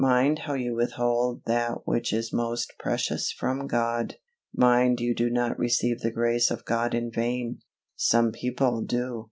Mind how you withhold that which is most precious from God! Mind you do not receive the grace of God in vain; some people do.